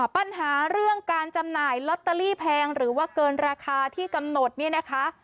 ปัญหาเรื่องการจำหน่ายลอตเตอรี่แพงหรือว่าเกินราคาที่กำหนดเนี่ยนะคะ